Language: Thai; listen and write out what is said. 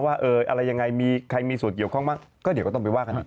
ว่าอะไรยังไงมีใครมีส่วนเกี่ยวข้องบ้างก็เดี๋ยวก็ต้องไปว่ากันอีก